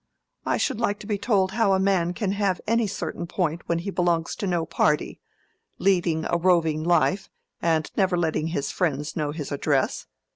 I should like to be told how a man can have any certain point when he belongs to no party—leading a roving life, and never letting his friends know his address.